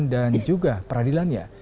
pada saat ini juga peradilannya